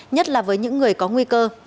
nhất là với những người có nguy cơ